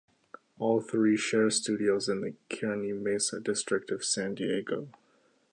All three share studios in the Kearny Mesa district of San Diego.